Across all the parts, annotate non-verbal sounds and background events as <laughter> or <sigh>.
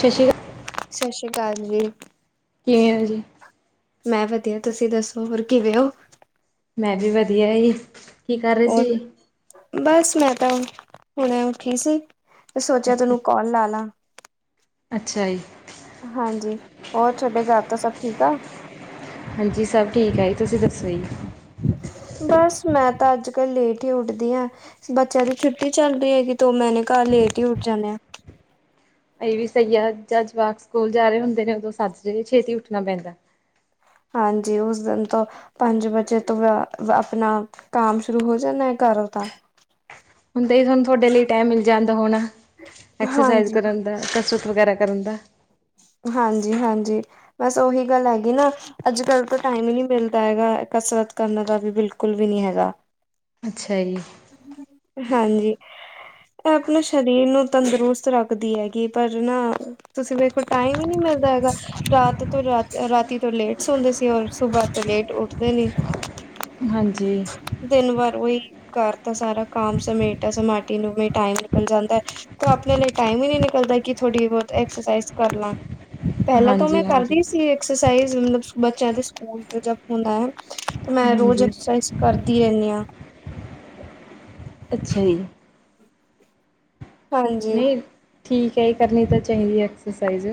ਸ ਸ਼੍ਰੀ ਕਾ ਸ ਸ਼੍ਰੀ ਕਾਲ ਜੀ। ਕਿਵੇਂ ਓ ਜੀ? ਮੈਂ ਵਧੀਆ ਤੁਸੀਂ ਦੱਸੋ ਹੋਰ ਕਿਵੇਂ ਓ? ਮੈਂ ਵੀ ਵਧੀਆ ਜੀ, ਕੀ ਕਰ ਰੇ ਸੀ ਹੋਰ ਜੀ? ਬਸ ਮੈਂ ਤਾਂ ਹੁਣੇ ਉਠੀ ਸੀ ਸੋਚਿਆ ਅੱਛਾ ਤੈਨੂੰ ਕੌਲ ਲਾ ਲਾ। ਅੱਛਾ ਜੀ। ਹਾਂਜੀ ਔਰ ਥੋਡੇ ਘਰ ਤਾਂ ਸਭ ਠੀਕ ਆ? ਹਾਂਜੀ ਸਭ ਠੀਕ ਆ ਜੀ ਤੁਸੀਂ ਦੱਸੋ ਜੀ? ਬਸ ਮੈਂ ਤਾਂ ਅੱਜ-ਕੱਲ ਲੇਟ ਈ ਉਠਦੀ ਆ ਬੱਚਿਆਂ ਦੀ ਛੁੱਟੀ ਚੱਲ ਰੀ ਐਗੀ ਤੋਂ ਮੈਨੇ ਘਰ ਲੇਟ ਈ ਉਠ ਜਾਨੇ ਆ। ਏ ਵੀ ਸਈ ਆ ਜਦ ਜਵਾਕ ਸਕੂਲ ਜਾ ਰੇ ਹੁੰਦੇ ਨੇ ਉਦੋਂ ਸੱਜਰੇ ਛੇਤੀ ਉੱਠਣਾ ਪੈਂਦਾ। ਹਾਂਜੀ ਉਸ ਦਿਨ ਤੋਂ ਪੰਜ ਵਜੇ ਤੋਂ ਅ ਆਪਣਾ ਕੰਮ ਸ਼ੁਰੂ ਹੋ ਜਾਂਨਾ ਘਰੋ ਦਾ। ਹੁਣ 'ਤੇ ਥੋਨੂੰ ਤੁਹਾਡੇ ਲਈ ਟਾਈਮ ਮਿਲ ਜਾਂਦਾ ਹੋਣਾ, ਐਕਸਰਸਾਈਜ਼ ਹਾਂਜੀ ਕਰਨ ਦਾ, ਕਸਰਤ ਵਗੈਰਾ ਕਰਨ ਦਾ। ਹਾਂਜੀ-ਹਾਂਜੀ ਬਸ ਉਹੀ ਗੱਲ ਆਗੀ ਨਾ ਅੱਜ-ਕੱਲ ਤੋਂ ਟਾਈਮ ਈ ਨੀ ਮਿਲਦਾ ਹੈਗਾ ਕਸਰਤ ਕਰਨ ਦਾ ਵੀ ਬਿਲਕੁੱਲ ਵੀ ਨੀ ਹੈਗਾ। ਅੱਛਾ ਜੀ। ਹਾਂਜੀ। ਆਪਣੇ ਸਰੀਰ ਨੂੰ ਤੰਦਰੁਸਤ ਰੱਖਦੀ ਹੈਗੀ ਪਰ ਨਾ ਤੁਸੀਂ ਵੇਖੋ ਟਾਈਮ ਈ ਨੀ ਮਿਲਦਾ ਹੈਗਾ। ਰਾਤ ਤੋਂ ਰਾਤ ਰਾਤੀ ਤੋਂ ਲੇਟ ਸੋਂਦੇ ਸੀ ਔਰ ਸੁਬਾਹ ਤੋਂ ਲੇਟ ਉੱਠਦੇ ਨੀ। ਹਾਂਜੀ। ਦਿਨ ਵਾਰ ਉਈ ਕਰਤਾ ਸਾਰਾ ਕੰਮ ਸਮੇਟਾ ਸਮਾਟੀ ਨੂੰ ਵੀ ਟਾਈਮ ਨਿਕਲ ਜਾਂਦੈ ਤੋਂ ਆਪਣੇ ਲਈ ਟਾਈਮ ਈ ਨੀ ਨਿਕਲਦਾ ਕਿ ਥੋੜੀ ਬੋਤ ਐਕਸਰਸਾਈਜ਼ ਕਰ ਲਾ। ਪਹਿਲਾਂ ਤੋਂ ਮੈਂ ਹਾਂਜੀ ਹਾਂਜੀ ਕਰਦੀ ਸੀ ਐਕਸਰਸਾਈਜ਼ ਮਤਲਬ ਬੱਚਿਆਂ ਦੇ ਸਕੂਲ ਦੇ ਜਬ ਹੁੰਦਾ ਐ 'ਤੇ ਮੈਂ ਰੋਜ਼ ਹਾਂਜੀ ਐਕਸਰਸਾਈਜ਼ ਕਰਦੀ ਰਹਿੰਨੀ ਆ। ਅੱਛਾ ਜੀ। ਹਾਂਜੀ ਨਈ ਠੀਕ ਐ ਜੀ ਕਰਨੀ ਤਾਂ ਚਾਹੀਦੀ ਆ ਐਕਸਰਸਾਈਜ਼।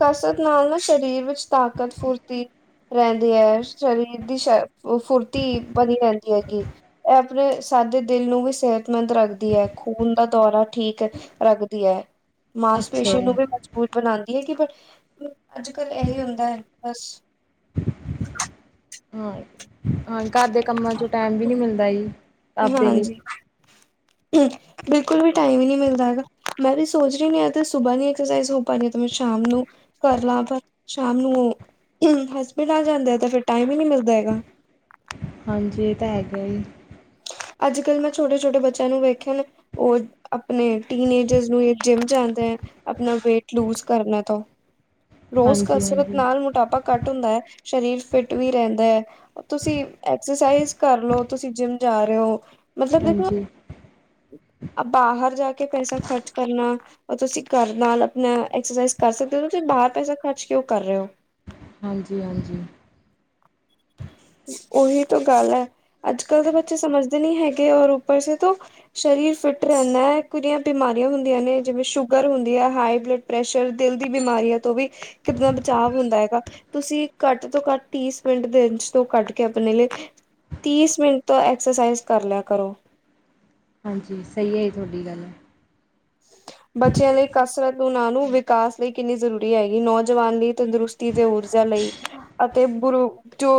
ਕਸਰਤ ਨਾਲ ਨਾ ਸਰੀਰ ਵਿੱਚ ਤਾਕਤ, ਫੁਰਤੀ ਰਹਿੰਦੀ ਐ ਸਰੀਰ ਦੀ ਸ਼ ਫ ਫੁਰਤੀ ਬਣੀ ਰਹਿੰਦੀ ਐਗੀ। ਏ ਆਪਣੇ ਸਾਡੇ ਦਿਲ ਨੂੰ ਵੀ ਸਿਹਤਮੰਦ ਰੱਖਦੀ ਐ ਖੂਨ ਦਾ ਦੌਰਾ ਠੀਕ ਰੱਖਦੀ ਐ। ਅੱਛਾ ਮਾਸਪੇਸ਼ੀਆਂ ਜੀ ਨੂੰ ਵੀ ਮਜ਼ਬੂਤ ਬਣਾਂਦੀ ਐ ਕਿ ਬਟ ਅੱਜ-ਕਲ ਐਹੀ ਹੁੰਦਾ ਬਸ ਹਾਂ, ਹਾਂ ਘਰ ਦੇ ਕੰਮਾਂ ਚੋਂ ਟਾਇਮ ਵੀ ਨੀ ਮਿਲਦਾ ਜੀ। ਆਪਦੇ ਲਈ ਹਾਂਜੀ। ਬਿਲਕੁਲ ਵੀ ਟਾਈਮ ਈ ਨਹੀਂ ਮਿਲਦਾ ਹੈਗਾ ਮੈਂ ਵੀ ਸੋਚ ਰਹੀ ਨਹੀ ਏ ਤਾ ਸੁਬਾਹ ਨਹੀਂ ਐਕਸਰਸਾਈਜ਼ ਹੋ ਪਾਨੀ ਹੈ ਤੇ ਮੈਂ ਸ਼ਾਮ ਨੂੰ ਕਰ ਲਾਂ ਪਰ ਸ਼ਾਮ ਨੂੰ ਉਹ ਹਸਬੈੰਡ ਨਾਲ ਜਾਂਦੇ ਆ ਤੇ ਫਿਰ ਟਾਈਮ ਹੀ ਨਹੀਂ ਮਿਲਦਾ ਹੈਗਾ ਹਾਂਜੀ ਇਹ ਤਾਂ ਹੈਗਾ ਈ ਅੱਜ ਕੱਲ ਮੈਂ ਛੋਟੇ ਛੋਟੇ ਬਚਿਆਂ ਨੂੰ ਵੇਖਿਆ ਉਹ ਆਪਨੇ ਟੀਨੇਏਜਰ ਨੂੰ ਜਿੰਮ ਜਾਂਦਾ ਏ ਅਪਨਾ ਵੇਟ ਲੂਜ ਕਰਨਾ ਤਾ ਰੋਜ਼ ਹਾਂਜੀ ਕਸਰਤ ਹਾਂਜੀ ਨਾਲ ਮੋਟਾਪਾ ਘੱਟ ਹੁੰਦਾ ਏ ਸਰੀਰ ਫਿਟ ਵੀ ਰਹਿੰਦਾ ਏ ਤੁਸੀਂ ਐਕਸਰਸਾਈਜ਼ ਕਰ ਲਓ ਤੁਸੀਂ ਜਿੰਮ ਜਾ ਰਹੇ ਔ ਮਤਲੱਬ ਦੇਖੋ ਹਾਂਜੀ ਆ ਬਾਹਰ ਜਾ ਕੇ ਪੈਸਾ ਖ਼ਰਚ ਕਰਨਾ ਉਹ ਤੁਸੀਂ ਘਰ ਨਾਲ ਆਪਣਾ ਐਕਸਰਸਾਈਜ਼ ਕਰ ਸਕਦੇ ਹੋ ਤੁਸੀਂ ਬਾਹਰ ਪੈਸਾ ਖਰਚ ਕਯੋ ਕਰ ਰਹੇ ਔ ਹਾਂਜੀ-ਹਾਂਜੀ ਉਹੀ ਤਾਂ ਗੱਲ ਏ ਅੱਜ ਕੱਲ੍ਹ ਤਾਂ ਬੱਚੇ ਸਮਂਝਦੇ ਨੀ ਹੈਗੇ ਔਰ ਉੱਪਰ ਸੇ ਤੋ ਸਰੀਰ ਫਿੱਟ ਰਹਿੰਨਾ ਏ ਕਿੰਨੀਆਂ ਬਿਮਾਰੀਆਂ ਹੁੰਦੀਆਂ ਨੇ ਜਿਵੇਂ ਸ਼ੂਗਰ ਹੁੰਦੀ ਹੈ ਹਾਈ ਬਲੱਡ ਪ੍ਰੈਸ਼ਰ ਦਿਲ ਦੀ ਬਿਮਾਰੀਆਂ ਤੋਂ ਵੀ ਕਿੱਦਾ ਬਚਾਅ ਹੁੰਦਾ ਹੈਗਾ ਤੁਸੀਂ ਘੱਟ ਤੋਂ ਘੱਟ ਤੀਸ ਮਿੰਟ ਤੇ ਇਚ ਤੋਂ ਕੱਢ ਕੇ ਆਪਨੇ ਲਈ ਤੀਸ ਮਿੰਟ ਤੋਂ ਐਕਸਰਸਾਈਜ਼ ਕਰ ਲਿਆ ਕਰੋ ਹਾਂਜੀ ਸਹੀ ਐ ਜੀ ਤੁਹਾਡੀ ਗੱਲ ਬੱਚਿਆਂ ਲਈ ਕਸਰਤ ਉਹਨਾ ਨੂ ਵੀ ਵਿਕਾਸ ਲਈ ਕਿੰਨੀ ਜ਼ਰੂਰੀ ਹੈਗੀ ਨੌਜਵਾਨ ਲਈ ਤੰਦਰੁਸਤੀ ਤੇ ਊਰਜਾ ਲਈ ਅਤੇ ਬੁਰੂ ਜੋ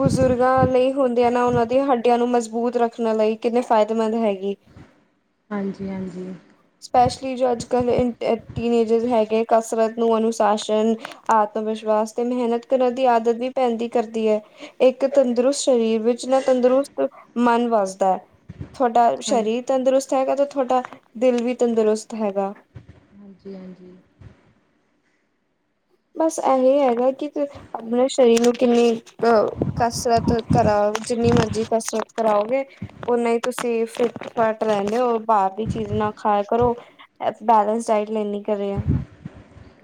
ਬਜ਼ੁਰਗਾਂ ਲਈ ਹੁੰਦੀਆਂ ਨਾ ਉਹਨਾਂ ਦੀਆਂ ਹੱਡੀਆਂ ਨੂੰ ਮਜ਼ਬੂਤ ਰੱਖਣ ਲਈ ਕਿੰਨੇ ਫਾਇਦੇਮੰਦ ਹੈਗੀ ਹਾਂਜੀ-ਹਾਂਜੀ ਸਪੈਸ਼ਲੀ ਜੋ ਅੱਜ ਕੱਲ ਟੀਨਏਜਜ ਹੈਗੇ ਕਸਰਤ ਨੂੰ ਅਨੁਸ਼ਾਸਨ ਆਤਮ ਵਿਸ਼ਵਾਸ ਤੇ ਮਿਹਨਤ ਕਰਨ ਦੀ ਆਦਤ ਵੀ ਪੈਂਦੀ ਕਰਦੀ ਏ ਇੱਕ ਤੰਦਰੁਸਤ ਸ਼ਰੀਰ ਵਿੱਚ ਨਾ ਤੰਦਰੁਸਤ ਮਨ ਵੱਸਦਾ ਏ ਤੁਹਾਡਾ ਹਾਂ ਸ਼ਰੀਰ ਤੰਦਰੁਸਤ ਹੈਗਾ ਤੇ ਤੁਹਾਡਾ ਦਿਲ ਵੀ ਤੰਦਰੁਸਤ ਹੈਗਾ ਹਾਂਜੀ-ਹਾਂਜੀ ਬਸ ਇਹ ਹੀ ਹੈਗਾ ਕਿ ਆਪਣੇ ਸਰੀਰ ਨੂੰ ਕਿੰਨੀ ਅਹ ਕਸਰਤ ਕਰਾਉ ਜਿੰਨੀ ਮਰਜ਼ੀ ਕਸਰਤ ਕਰਾਓਗੇ ਉਨਾ ਹੀ ਤੁਸੀਂ ਫਿੱਟ-ਫਾਟ ਰਹਿੰਦੇ ਹੋ ਬਾਹਰ ਦੀ ਚੀਜ਼ ਨਾ ਖਾਇਆ ਕਰੋ ਐ ਬੈਲੇੈਂਸ ਡਾਇਟ ਲੈਂਨੀ ਕਰੇ ਐ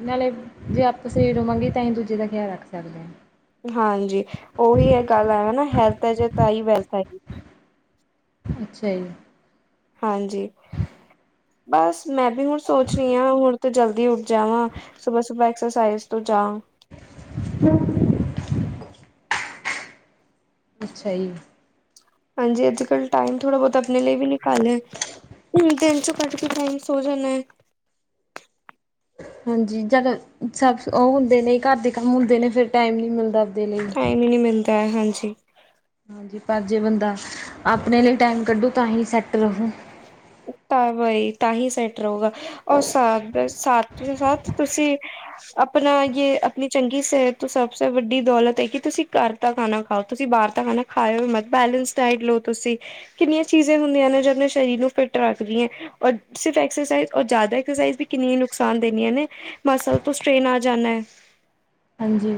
ਨਾਲੇ ਜੇ ਆਪ ਸਹੀ ਰਵਾਂਗੇ ਤਾਂ ਹੀ ਦੂਜੇ ਦਾ ਖਿਆਲ ਰੱਖ ਸਕਦੇ ਆ ਹਾਂਜੀ ਉਹੀ ਏ ਇਹ ਗੱਲ ਔ ਨਾ ਹੈਲਥ ਹੈ ਜੇ ਤਾਂ ਹੀ ਵੈਲਥ ਹੈ ਅੱਛਾ ਜੀ ਹਾਂਜੀ ਬਸ ਮੈਂ ਵੀ ਹੁਨ ਸੋਚ ਰਹੀ ਹਾਂ ਹੁਨ ਤੇ ਜਲਦੀ ਉੱਠ ਜਾਵਾਂ ਸੁਬੈਹਾ-ਸੁਬੈਹਾ ਐਕਸਰਸਾਈਜ਼ ਤੋਂ ਚਾਹ <unintelligible> ਅੱਛਾ ਜੀ। ਹਾਂਜੀ ਅੱਜ ਕਲ੍ਹ ਟਾਈਮ ਥੋੜ੍ਹਾ ਬਹੁਤ ਅਪਨੇ ਲਈ ਵੀ ਨਿਕਾਲਿਆ ਹੂਨੰ ਦਿਨ ਚੋ ਕਢ ਕੇ ਟਾਈਮ ਸੋ ਜਾਨਾ ਏ ਹਾਂਜੀ ਜਦ ਸਭ ਉਠਦੇ ਨੇ ਘਰ ਦੇ ਕੰਮ ਹੁੰਦੇ ਨੇ ਫਿਰ ਟਾਈਮ ਨਹੀਂ ਮਿਲਦਾ ਆਪਦੇ ਲਈ ਟਾਈਮ ਈ ਨਹੀਂ ਮਿਲਦਾ ਏ ਹਾਂਜੀ ਹਾਂਜੀ ਪਰ ਜੇ ਬੰਦਾ ਆਪਨੇ ਲਈ ਟਾਈਮ ਕੱਢੁ ਤਾਂ ਹੀ ਸੈੱਟ ਰਹੂ ਤਾਂ ਬਾਈ ਤਾਂ ਹੀ ਸੈਟ ਰਹੁਗਾ ਔਰ ਸਾ ਸਾਤ ਤੋਂ ਸਾਤ ਤੁਸੀਂ ਅਪਨਾ ਯੇ ਆਪਣੀ ਚੰਗੀ ਸਿਹਤ ਤੋਂ ਸਭ ਸੇ ਵੱਡੀ ਦੌਲਤ ਹੈ ਕਿ ਤੁਸੀਂ ਕਰ ਦਾ ਖਾਣਾ ਖਾਓ ਤੁਸੀਂ ਬਾਹਰ ਦਾ ਖਾਣਾ ਖਾਓ ਮਤ ਬੈਲੈਂਸ ਡਾਇਟ ਲਓ ਤੁਸੀਂ ਕਿੰਨੀਆਂ ਚੀਜ਼ਾਂ ਹੁੰਦੀਆਂ ਨੇ ਜੋ ਆਪਣੇ ਸਰੀਰ ਨੂੰ ਫਿੱਟ ਰੱਖਦੀ ਏ। ਔਰ ਸਿਰਫ਼ ਐਕਸਰਸਾਈਜ ਔਰ ਜਿਆਦਾ ਐਕਸਰਸਾਈਜ ਕਿੰਨੀਆਂ ਨੁਕਸਾਨ ਦੇਂਦੀਆਂ ਨੇ ਮਸਲ ਤੋਂ ਸਟੇਨ ਆ ਜਾਣਾ ਹੈ। <inaudible> ਹਾਂਜੀ।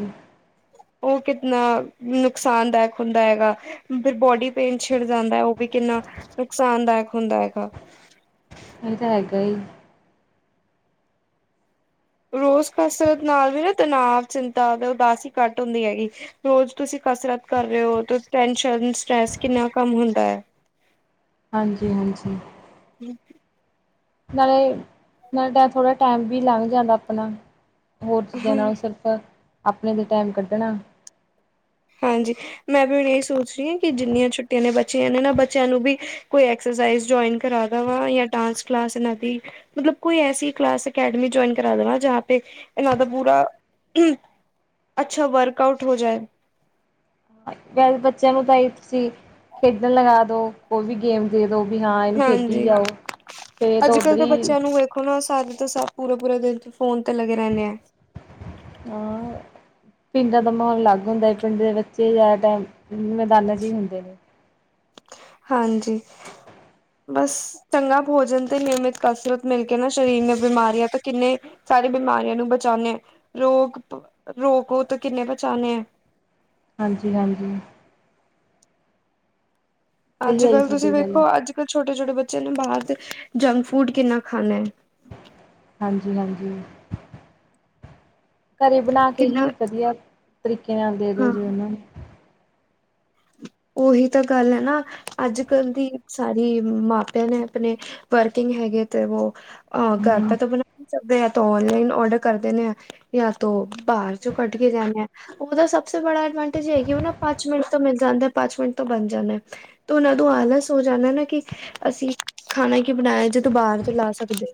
ਓਹ ਕਿਤਨਾ ਨੁਕਸਾਨਦਾਇਕ ਹੁੰਦਾ ਹੈਗਾ। ਫਿਰ ਬੋਡੀ ਪੇਨ ਛਿੜ ਜਾਂਦਾ ਹੈ, ਓਹ ਵੀ ਕਿੰਨਾ ਨੁਕਸਾਨਦਾਇਕ ਹੁੰਦਾ ਹੈਗਾ। <inaudible> ਇਹ ਤਾਂ ਹੈਗਾ ਹੀ। ਰੋਜ਼ ਕਸਰਤ ਨਾਲ ਵੀ ਨਾ ਤਨਾਵ ਚਿੰਤਾ ਤੇ ਉਦਾਸੀ ਹੀ ਘੱਟ ਹੁੰਦੀ ਹੈਗੀ। ਰੋਜ਼ ਤੁਸੀਂ ਕਸਰਤ ਕਰ ਰਹੇ ਹੋ, ਟੈਸ਼ਨ ਸਟਰੈਸ ਕਿੰਨਾ ਕਮ ਹੁੰਦਾ ਹੈ। <inaudible> ਹਾਂਜੀ, ਹਾਂਜੀ। <unintelligible> ਨਾਲੇ, ਨਾਲੇ ਥੋੜ੍ਹਾ ਟਾਈਮ ਵੀ ਲੰਘ ਜਾਂਦਾ ਆਪਣਾ ਹੋਰ ਚੀਜ਼ਾਂ ਹਾਂ, ਨਾਲੋ ਸਿਰ ਅ ਆਪਣੇ ਤੇ ਟਾਈਮ ਕੱਢਣਾ। ਹਾਂਜੀ ਮੈਂ ਵੀ ਹੁਣ ਇਹ ਸੋਚ ਰਹੀ ਹਾਂ ਕਿ ਜਿੰਨੀਆ ਛੁੱਟੀਆਂ ਨੇ ਬੱਚਿਆਂ ਨੇ ਨਾ ਬੱਚਿਆਂ ਨੂੰ ਵੀ ਕੋਈ ਐਕਸਰਸਾਈਜ਼ ਜੁਇਨ ਕਰਾ ਦਾ ਵਾ, ਜਾ ਡਾਂਸ ਕਲਾਸ ਇਹਨਾਂ ਦੀ। ਮਤਲਬ ਕੋਈ ਐਸੀ ਕਲਾਸ ਅਕੈਡਮੀ ਜੋਇਨ ਕਰਾ ਦੇਵਾ ਜਹਾ ਪੇ ਇਹਨਾਂ ਦਾ ਪੁਰਾ, ਹੂੰ। ਅੱਛਾ ਵਰਕਆਊਟ ਹੋ ਜਾਏ। ਵੈਸੇ ਬੱਚਿਆਂ ਨੂੰ ਤਾਂ ਹੀ ਤੁਸੀਂ ਖੇਡਣ ਲਗਾ ਦੋ ਉਹ ਵੀ ਗੇਮ ਦੇ ਦੋ ਵੀ ਹਾਂ ਇਹਨੂੰ ਖੇਡੀ ਹਾਂਜੀ, ਜਾਓ ਫੇਰ ਤਾਂ ਉੱਧਰ ਹੀ, ਬੱਚਿਆਂ ਨੂੰ ਵੇਖੋ ਹਣਾ ਸਾਡਾ ਤਾਂ ਸਭ ਪੂਰੇ-ਪੂਰੇ ਦਿਨ ਚ ਫੋਨ ਤੇ ਲੱਗੇ ਰਹਿੰਣੇ ਆ। ਹਾਂ। ਪਿੰਡਾਂ ਦਾ ਮਾਹੌਲ ਅਲੱਗ ਹੁੰਦਾ ਏ ਪਿੰਡ ਦੇ ਬੱਚੇ ਜ਼ਿਆਦਾ ਟਾਈਮ ਮੈਦਾਨਾਂ ਚ ਹੀ ਹੁੰਦੇ ਨੇ। ਹਾਂਜੀ। ਬਸ ਚੰਗਾ ਭੋਜਨ ਤੇ ਨਿਯਮਿਤ ਕਸਰਤ ਮਿਲ ਕੇ ਨਾ ਸਰੀਰ ਨੇ ਬਿਮਾਰੀਆਂ ਤੋ ਕਿੰਨੇ ਸਾਰੇ ਬਿਮਾਰੀਆਂ ਨੂੰ ਬਚਾਣੇ ਆ ਰੋਗ ਰੋਗੋ ਤੋਂ ਕਿੰਨੇ ਬਚਾਣੇ ਆ। ਹਾਂਜੀ- ਹਾਂਜੀ। ਸਹੀ ਹੈ ਜੀ ਅੱਜ-ਕੱਲ ਤੁਸੀਂ ਤੁਹਾਡੀ ਗੱਲ ਵੇਖੋ ਅੱਜ-ਕੱਲ ਛੋਟੇ-ਛੋਟੇ ਬੱਚਿਆਂ ਨੇ ਬਾਹਰ ਦੇ ਜੰਕ ਫੂਡ ਕਿੰਨਾ ਖਾਣਾ ਐ। ਹਾਂਜੀ-ਹਾਂਜੀ, ਘਰੇ ਬਣਾ ਕੇ ਕਿੰਨਾ ਹੀ ਵਧੀਆ। ਤਰੀਕੇ ਨਾਲ ਦੇ ਹਾਂ ਦੋ ਜੀ ਉਹਨਾਂ ਨੂੰ, ਉਹੀ ਤਾਂ ਗੱਲ ਹੈ ਨਾ, ਅੱਜ-ਕੱਲ ਦੀ ਸਾਰੀ ਮਾਪਿਆਂ ਨੇ ਆਪਣੇ ਵਰਕਿੰਗ ਹੈਗੇ ਤੇ ਵੋ ਅ ਘਰ ਹਮ ਦਾ ਤਾਂ ਬਣਾ ਨਹੀਂ ਸਕਦੇ ਆ ਔਨਲਾਈਨ ਓਡਰ ਕਰਦੇ ਨੇ। ਯਾ ਤੋ ਬਾਹਰ ਚੋਂ ਕੱਢ ਕੇ ਜਾਣਾ ਆ ਉਹਦਾ ਸਭ ਤੋਂ ਬੜਾ ਐਡਵਾਂਟੇਜ ਹੈਗੀ ਉਹ ਨਾ ਪੰਜ ਮਿੰਟ ਤੋ ਮਿਲ ਜਾਂਦਾ ਪੰਜ ਮਿੰਟ ਤੋ ਬਣ ਜਾਣਾ। ਤੋ ਉਹਨਾਂ ਨੂੰ ਆਲਾਸ ਹੋ ਜਾਣਾ ਕਿ ਅਸੀਂ ਖਾਣਾ ਕਿਉ ਬਣਾਇਆ ਜੇ ਤੂੰ ਬਾਹਰ ਤੋਂ ਲਾ ਸਕਦੇ।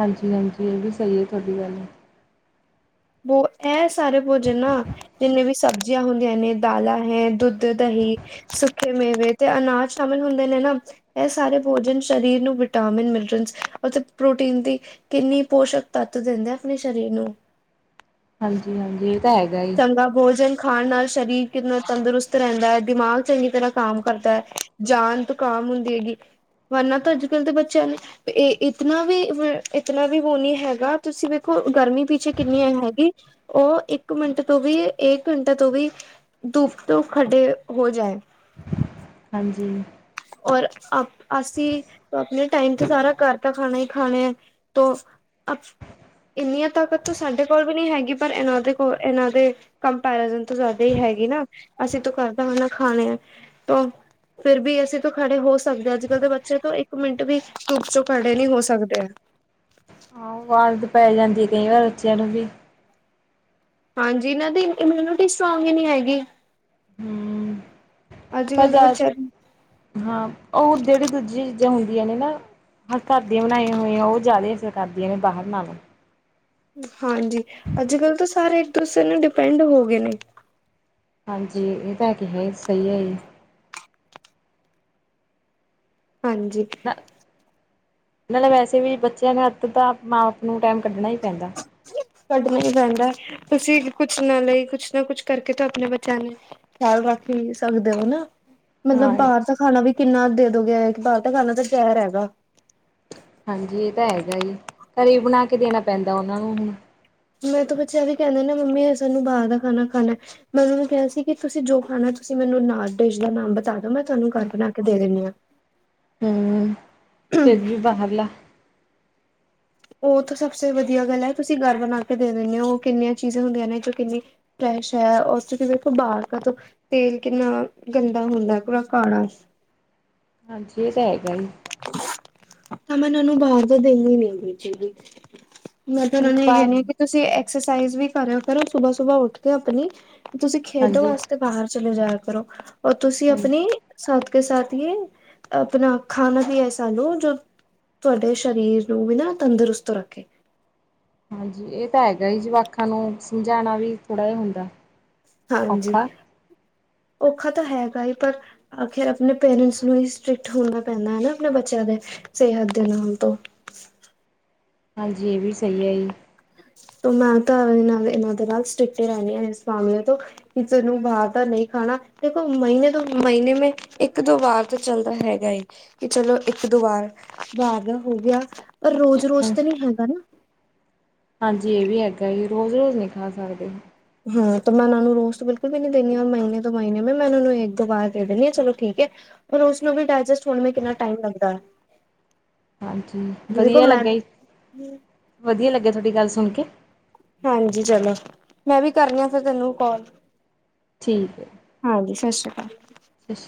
ਹਾਂਜੀ-ਹਾਂਜੀ, ਇਹ ਵੀ ਸਹੀ ਹੈ ਤੁਹਾਡੀ ਗੱਲ, ਬੋ ਇਹ ਸਾਰੇ ਭੋਜਨ ਨਾ, ਜਿੰਨੇ ਵੀ ਸਬਜ਼ੀਆਂ ਹੁੰਦੀਆ ਨੇ ਦਾਲਾਂ ਹੈ ਦੁੱਧ, ਦਹੀਂ ਸੁੱਖੇ ਮੇਵੇ ਤੇ ਅਨਾਜ ਸ਼ਾਮਿਲ ਹੁੰਦੇ ਨੇ ਨਾ। ਏ ਸਾਰੇ ਭੋਜਨ ਸਰੀਰ ਨੂੰ ਵਿਟਾਮਿਨ, ਮਿਨਰਲਜ ਅਤੇ ਪ੍ਰੋਟੀਨ ਦੀ ਕਿੰਨੀ ਪੋਸ਼ਕ ਤੱਤ ਦਿੰਦਾ ਆਪਣੇ ਸਰੀਰ ਨੂੰ। ਹਾਂਜੀ-ਹਾਂਜੀ। ਤਾ ਹੈਗਾ ਈ। ਦਾ ਭੋਜਨ ਖਾਣ ਨਾਲ ਸਰੀਰ ਕਿਤਨਾ ਤੰਦਰੁਸਤ ਰੈਂਦਾ ਐ ਦਿਮਾਗ ਚੰਗੀ ਤਰ੍ਹਾਂ ਕੰਮ ਕਰਦਾ ਐ। ਜਾਨ ਤੋਂ ਕਾਮ ਹੁੰਦੀ ਹੈਗੀ, ਵਰਨਾ ਤਾਂ ਅੱਜ ਕੱਲ੍ਹ ਦੇ ਬੱਚਿਆਂ ਲਈ ਏ ਇਤਨਾ ਵੀ ਵ ਇਤਨਾ ਵੀ ਵੋ ਨੀ ਹੈਗਾ ਤੁਸੀਂ ਵੇਖੋ ਗਰਮੀ ਪਿੱਛੇ ਕਿੰਨੀ ਆਈ ਹੈਗੀ। ਓ ਇੱਕ ਮਿੰਟ ਤੋਂ ਵੀ ਇੱਕ ਘੰਟੇ ਤੋਂ ਵੀ ਦੁਪ ਤੋਂ ਖੜੇ ਹੋ ਜਾਏ। ਹਾਂਜੀ। ਔਰ ਅ ਅਸੀਂ ਆਪਣੇ ਟਾਈਮ ਤੇ ਸਾਰਾ ਘਰ ਦਾ ਖਾਣਾ ਈ ਖਾਣੇ ਆ ਤੋਂ ਅਪ ਇੰਨੀਆਂ ਤਾਕਤ ਸਾਡੇ ਕੋਲ ਵੀ ਨੀ ਹੈਗੀ ਪਰ ਐਨਾਂ ਦੇ ਕੋਲ ਐਨਾਂ ਦੇ ਕੰਪੈਰੀਜਨ ਤੋਂ ਜਾਦਾ ਈ ਹੈਗੀ ਨਾ ਅਸੀਂ ਤਾਂ ਘਰਦਾ ਖਾਣਾ ਖਾਣੇ ਆ। ਫਿਰ ਵੀ ਅਸੀ ਅਸੀ ਖੜੇ ਹੋ ਸਕਦੇ ਆ, ਅੱਜ ਕੱਲ ਦੇ ਬੱਚੇ ਤੋਂ ਇੱਕ ਮਿੰਟ ਵੀ ਧੁੱਪ 'ਚੋ ਖੜੇ ਨੀ ਹੋ ਸਕਦੇ। ਹਾਂ ਓ ਆਦਤ ਪੈ ਜਾਂਦੀ ਕਈ ਵਾਰ ਬੱਚਿਆਂ ਨੂੰ ਵੀ। ਹਾਂਜੀ ਇਨਾਂ ਦੀ ਇਮਿਊਨਿਟੀ ਸਟਰੋਂਗ ਨੀ ਹੈਗੀ। ਹਮ ਅੱਜ ਪਰ ਕੱਲ੍ਹ ਦੇ ਜਾ ਬੱਚਿਆਂ ਦੀ ਹਾਂ ਓ ਜੇੜੀ ਦੂਜੀ ਚੀਜ਼ਾਂ ਹੁੰਦੀਆਂ ਨੇ ਨਾ ਹਾਂ ਘਰ ਦੀਆਂ ਬਣਾਈਆ ਹੋਈਆਂ ਓ ਜਾਦੇ ਅਸਰ ਕਰਦੀਆਂ ਨੇ ਬਾਹਰ ਨਾਲੋਂ। ਹਾਂਜੀ ਅੱਜ ਕੱਲ੍ਹ ਤੇ ਸਾਰੇ ਇੱਕ ਦੂਸਰੇ ਨੂੰ ਡਿਪੈਂਡ ਹੋਗੇ ਨੇ। ਹਾਂਜੀ ਇਹ ਤਾਂ ਕਿਹਾ ਈ ਸਈ ਐ ਜੀ। ਹਾਂਜੀ। ਨਾ ਨਾਲੇ ਵੈਸੇ ਵੀ ਬੱਚਿਆਂ ਨੂੰ ਅਪਣੇ ਤਾਂ ਮਾਂ- ਬਾਪ ਨੂੰ ਟੈਮ ਕੱਢਣਾ ਈ ਪੈਂਦਾ। ਕੱਢਣਾ ਈ ਪੈਂਦਾ ਤੁਸੀਂ ਕੁੱਛ ਨਾ ਲਈ ਕੁੱਛ ਨਾ ਕੁੱਛ ਕਰਕੇ ਤਾਂ ਆਪਣੇ ਬੱਚਿਆਂ ਨੂੰ। ਖਿਆਲ ਰੱਖ ਈ ਸਕ ਦਿਓ ਨਾ। ਹਾਂ ਮਤਲਬ ਬਾਰ ਦਾ ਖਾਣਾ ਵੀ ਕਿੰਨਾ ਦੇ ਦੋਗੇ ਬਾਰ ਦਾ ਖਾਣਾ ਤਾਂ ਜਹਿਰ ਹੈਗਾ। ਹਾਂਜੀ ਇ ਤਾਂ ਹੈਗਾ ਈ ਘਰੇ ਈ ਬਣਾ ਕੇ ਦੇਣਾ ਪੈਂਦਾ ਓਨਾਂ ਨੂੰ ਹੁਣ। ਮੇਰੇ ਵ ਤਾਂ ਬੱਚੇ ਐਵੀ ਕੈਂਦੇ ਨੇ ਮੰਮੀ ਅ ਸਾਨੂੰ ਬਾਰ ਦਾ ਖਾਣਾ ਖਾਨਾ। ਮੈਂ ਓਹਨਾ ਨੂੰ ਕਿਹਾ ਸੀ ਕਿ ਤੁਸੀਂ ਜੋ ਖਾਣਾ ਤੁਸੀਂ ਮੈਨੂੰ ਨਾ ਡਿਸ਼ ਦਾ ਨਾਮ ਬਤਾ ਦੋ ਮੈਂ ਤੁਹਾਨੂੰ ਘਰ ਬਣਾ ਕੇ ਦੇ ਦਿੰਦੀ ਆ। <inaudible> ਹੂੰ ਫਿਰ ਵੀ ਬਾਹਰਲਾ। ਓ ਤਾਂ ਸਭ ਸੇ ਵਧੀਆ ਗੱਲ ਐ ਤੁਸੀਂ ਘਰ ਬਣਾ ਕੇ ਦੇ ਦਿੰਦੇ ਓ ਕਿੰਨੀਆਂ ਚੀਜ਼ਾਂ ਹੁੰਦੀਆਂ ਨੇ ਜੋ ਕਿੰਨੀ ਫਰੈਸ਼ ਐ ਉਸ 'ਚ ਵੇਖੋ ਬਾਰ ਕਾ ਤੋ ਤੇਲ ਕਿੰਨਾ ਗੰਦਾ ਹੁੰਦਾ ਪੂਰਾ ਕਾਲਾ ਹਾਂਜੀ ਇਹ ਤਾਂ ਹੈਗਾ ਈ। ਅਮਨ ਉਹਨੂੰ ਬਾਰ ਦਾ ਦੇਂਦੀ ਨੀ ਹੈਗੀ ਜੀ। ਮੈਂ ਤੇ ਉਹਨਾ ਇੱਕ ਨੂੰ ਏ ਵਾਰ ਕੈਨੀ ਆ ਕਿ ਤੁਸੀਂ ਐਕਸਰਸਾਈਜ਼ ਵੀ ਕਰਿਆ ਕਰੋ ਸੁਬਾ ਸੁਬਾਹ ਉੱਠ ਕੇ ਆਪਣੀ। ਤੁਸੀਂ ਖੇਡੋ ਹਾਂਜੀ ਵਾਸਤੇ ਬਾਹਰ ਚਲੇ ਜਾਇਆ ਕਰੋ, ਔਰ ਤੁਸੀਂ ਹਾਂਜੀ ਆਪਨੀ ਸਾਥ ਕੇ ਸਾਥ ਹੀ ਆਪਨਾ ਖਾਣਾ ਵੀ ਐਸਾ ਲਓ ਜੋ ਤੁਹਾਡੇ ਸਰੀਰ ਨੂੰ ਵੀ ਨਾ ਤੰਦਰੁਸਤ ਰੱਖੇ। ਹਾਂਜੀ ਇਹ ਤਾਂ ਹੈਗਾ ਈ ਜਵਾਕਾਂ ਨੂੰ ਸਮਝਾਣਾ ਵੀ ਥੋੜ੍ਹਾ ਜਾ ਹੁੰਦਾ। ਹਾਂਜੀ ਔਖਾ ਔਖਾ ਤਾਂ ਹੈਗਾ ਈ ਪਰ ਆਖਿਰ ਆਪਣੇ ਪੇਰੈਂਟਸ ਨੂੰ ਈ ਸਟ੍ਰਿਕਟ ਹੋਣਾ ਪੈਂਣਾ ਐ ਨਾ ਆਪਣੇ ਬੱਚਿਆਂ ਦੇ ਸਿਹਤ ਦੇ ਨਾਮ ਤੋਂ। ਹਾਂਜੀ ਇਹ ਵੀ ਸਈ ਐ ਜੀ। ਤੋਂ ਮੈਂ ਤਾਂ ਏਨਾਂ ਇਹਨਾ ਦੇ ਨਾਲ ਸਟ੍ਰਿਕਟ ਈ ਰੈਂਦੀ ਆ ਇਸ ਮਾਮਲੇ ਤੋਂ। ਕਿਸੇ ਨੂੰ ਬਾਹਰ ਦਾ ਨਈ ਖਾਣਾ, ਦੇਖੋ ਮਹੀਨੇ ਦੋ ਮਹੀਨੇ ਮੇ ਇੱਕ ਦੋ ਵਾਰ ਤਾਂ ਚੱਲਦਾ ਹੈਗਾ ਏ। ਕਿ ਚਲੋ ਇੱਕ ਦੋ ਵਾਰ ਬਾਹਰ ਦਾ ਹੋ ਗਿਆ ਪਰ ਰੋਜ਼-ਰੋਜ਼ ਹਾਂ ਤਾਂ ਨੀ ਹੈਗਾ ਨਾ। ਹਾਂਜੀ ਇਹ ਵੀ ਹੈਗਾ ਈ ਰੋਜ਼-ਰੋਜ਼ ਨੀ ਖਾ ਸਕਦੇ। ਹਾਂ ਤੇ ਮੈਂ ਓਨਾਂ ਨੂੰ ਰੋਜ ਬਿਲਕੁਲ ਵੀ ਨੀ ਦੇਨੀ ਆ ਮਹੀਨੇ ਦੋ ਮਹੀਨੇ ਮੇ ਮੈਂ ਓਨਾ ਨੂੰ ਇੱਕ ਦੋ ਵਾਰ ਦੇ ਦਿੰਨੀ ਆ ਚਲੋ ਠੀਕ ਐ। ਫਿਰ ਉਸਨੂੰ ਵੀ ਡਾਇਜੈਸਟ ਹੋਣ ਲਈ ਕਿੰਨਾ ਟਾਈਮ ਲੱਗਦਾ। ਹਾਂਜੀ, ਦੇਖੋ ਵਧੀਆ ਮੈਂ ਲੱਗਾ ਜੀ, ਵਧੀਆ ਲੱਗਿਆ, ਤੁਹਾਡੀ ਗੱਲ ਸੁਣ ਕੇ ਹਾਂਜੀ ਚਲੋ, ਮੈਂ ਵੀ ਕਰਨੀ ਆ, ਫਿਰ ਤੈਨੂੰ ਕਾਲ। ਠੀਕ ਐ। ਹਾਂਜੀ, ਸਤਿ ਸ਼੍ਰੀ ਕਾਲ। ਸ